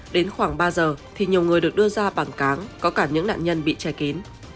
đến khoảng ba giờ thì nhiều người được đưa ra bằng cáng có cả những nạn nhân bị che kín